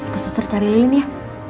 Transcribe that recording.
ke suster cari lilin ya